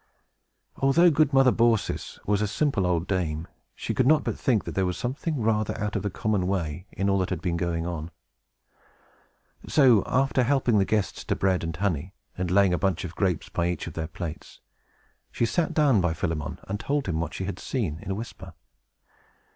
Although good Mother Baucis was a simple old dame, she could not but think that there was something rather out of the common way, in all that had been going on. So, after helping the guests to bread and honey, and laying a bunch of grapes by each of their plates, she sat down by Philemon, and told him what she had seen, in a whisper.